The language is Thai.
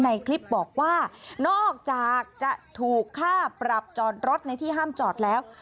ในคลิปบอกว่านอกจากจะถูกค่าปรับจอดรถในที่ห้ามจอดแล้ว